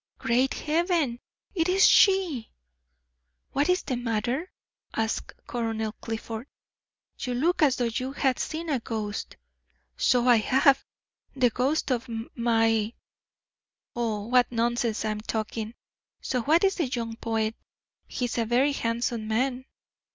Great Heaven, it is she!" "What is the matter?" asked Colonel Clifford; "you look as though you had seen a ghost." "So I have, the ghost of my Oh, what nonsense I am talking. So that is the young poet; he is a very handsome man.